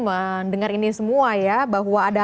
mendengar ini semua ya bahwa ada